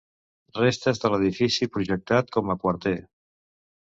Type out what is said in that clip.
Restes de l'edifici projectat com a quarter.